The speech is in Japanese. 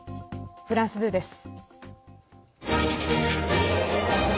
フランス２です。